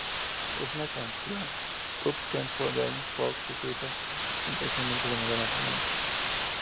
Es una canción "up-tempo" dance pop que usa sintetizadores de manera abundante.